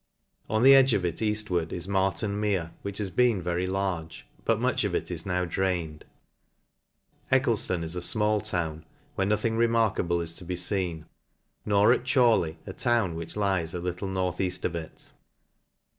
On the edge of it eaftward is Marton Meve> which has been very large; but much of it is now drained. Eceleflon is a fmall town, where nothing remark able is to be feen ; nor at Cborley, a town which lies a little north eaft of it.